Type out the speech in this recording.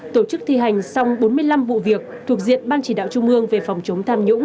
tổ chức thi hành xong bốn mươi năm vụ việc thuộc diện ban chỉ đạo trung ương về phòng chống tham nhũng